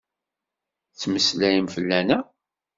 Ttettmeslayem fell-aneɣ?